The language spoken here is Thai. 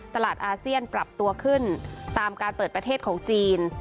อาเซียนปรับตัวขึ้นตามการเปิดประเทศของจีน